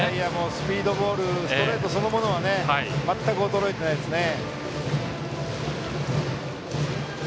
スピードボールストレートそのものは全く衰えていないですね。